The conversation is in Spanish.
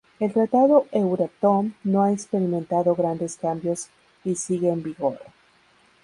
El Tratado Euratom no ha experimentado grandes cambios y sigue en vigor.